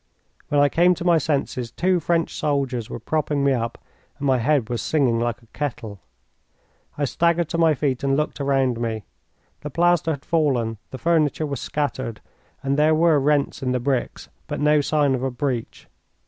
When I came to my senses two French soldiers were propping me up, and my head was singing like a kettle. I staggered to my feet and looked around me. The plaster had fallen, the furniture was scattered, and there were rents in the bricks, but no signs of a breach.